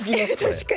確かに。